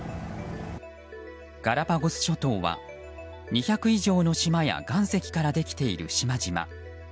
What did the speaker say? ガラパゴス諸島は２００以上の島や岩石からできている島々。